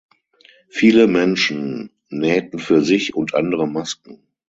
Viele Menschen nähten für sich und Andere Masken.